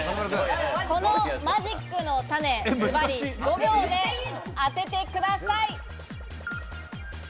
このマジックのタネ、ズバリ５秒で当ててください。